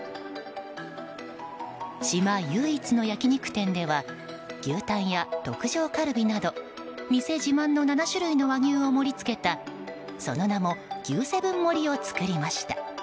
島唯一の焼き肉店では牛タンや特上カルビなど店自慢の７種類の和牛を盛り付けたその名もＧ７盛りを作りました。